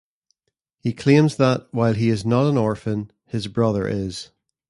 He claims that, while he is not an orphan, his brother is.